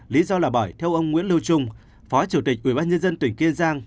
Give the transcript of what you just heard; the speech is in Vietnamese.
lý do là bởi theo ông nguyễn lưu trung phó chủ tịch ubnd tỉnh kiên giang